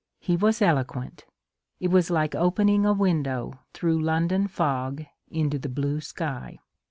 He was eloquent ; it was like opening a window through London fog into the blue sky.